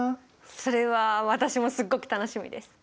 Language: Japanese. それは私もすっごく楽しみです。